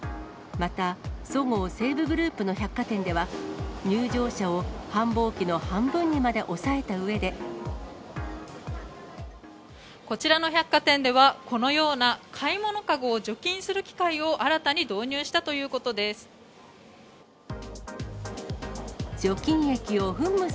また、そごう西武グループの百貨店では、入場者を繁忙期の半分にまで抑えこちらの百貨店では、このような買い物籠を除菌する機械を新たに導入したということです。